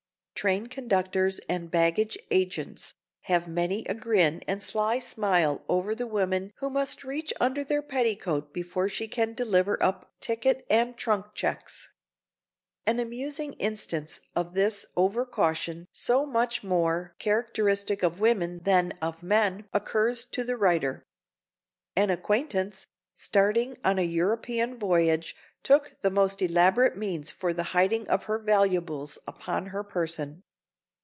Train conductors and baggage agents have many a grin and sly smile over the woman who must reach under her petticoat before she can deliver up ticket and trunk checks. An amusing instance of this overcaution, so much more characteristic of women than of men, occurs to the writer. An acquaintance, starting on a European voyage, took the most elaborate means for the hiding of her valuables upon her person.